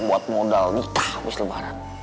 buat modal nikah habis lebaran